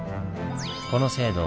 この制度